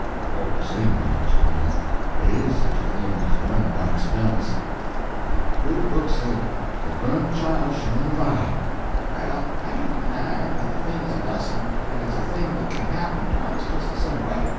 "All de same, Mars Tom, dey is sich a thing as learnin' by expe'ence. De Good Book say de burnt chile shun de fire." "Well, I ain't denying that a thing's a lesson if it's a thing that can happen twice just the same way.